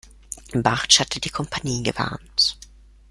Bartsch hatte die Kompanie gewarnt.